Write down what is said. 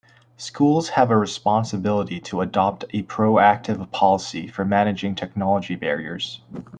Schools have a responsibility to adopt a proactive policy for managing technology barriers.